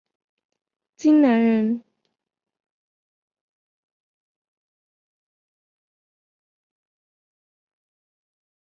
荆南人。